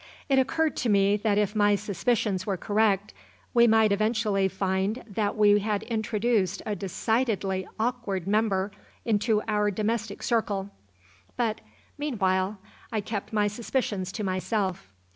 It occurred to me that if my suspicions were correct we might eventually find that we had introduced a decidedly awkward member into our domestic circle. But, meanwhile, I kept my suspicions to myself.